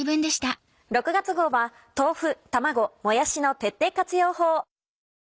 ６月号は豆腐卵もやしの徹底活用法。